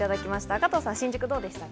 加藤さん、新宿、どうでしたか？